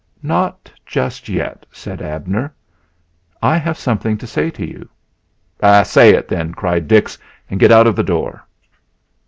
"Not just yet," said Abner; "I have something to say to you." "Say it then," cried Dix, "and get out of the door."